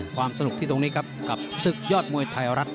ความสนุกที่ตรงนี้ครับกับศึกยอดมวยไทยรัฐ